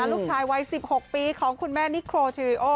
ลูกชายวัย๑๖ปีของคุณแม่นิโครทิริโอ